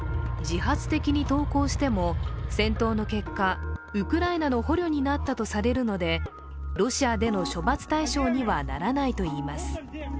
自発的に投降しても、戦闘の結果ウクライナの捕虜になったとされるのでロシアでの処罰対象にはならないといいます。